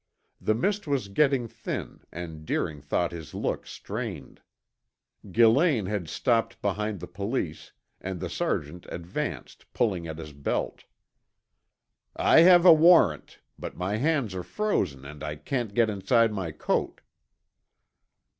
The mist was getting thin and Deering thought his look strained. Gillane had stopped behind the police, and the sergeant advanced, pulling at his belt. "I have a warrant, but my hands are frozen and I can't get inside my coat."